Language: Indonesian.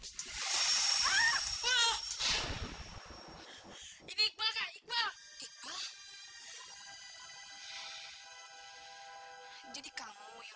iya papa cepetkan mandinya ya